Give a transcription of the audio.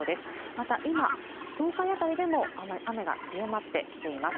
また、今、東海辺りでも雨が強まってきています。